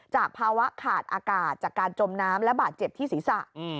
ภาวะขาดอากาศจากการจมน้ำและบาดเจ็บที่ศีรษะ